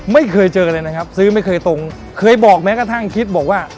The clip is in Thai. ไม่เคยเจอกันเลยนะครับซื้อไม่เคยตรงเคยบอกแม้กระทั่งคิดบอกว่า